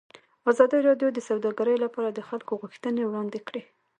ازادي راډیو د سوداګري لپاره د خلکو غوښتنې وړاندې کړي.